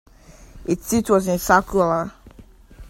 Its seat was in Saukkola.